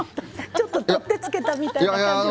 ちょっととってつけたみたいな感じ。